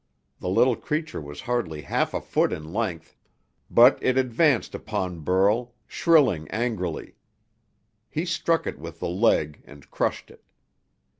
The little creature was hardly half a foot in length, but it advanced upon Burl, shrilling angrily. He struck it with the leg and crushed it.